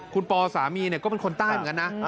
คุณปอสามีก็เป็นคนใต้เหมือนกันนะ